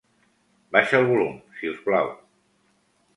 Baixa el volum, si us plau.